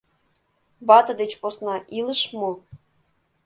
Вате деч посна илыш мо?